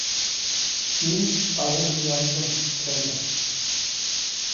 Мин поэма яҙҙым, Цезарь.